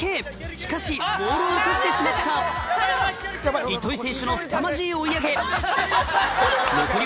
しかしボールを落としてしまった糸井選手のすさまじい追い上げ残り